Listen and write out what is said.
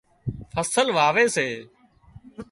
فصل واوي سي